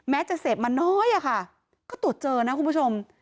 จะเสพมาน้อยอะค่ะก็ตรวจเจอนะคุณผู้ชม